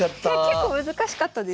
結構難しかったですね。